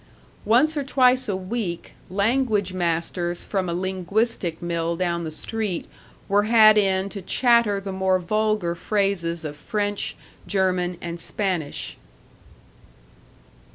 Once or twice a week, language masters from a linguistic mill down the street were had in to chatter the more vulgar phrases of French, German, and Spanish.